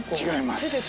違います。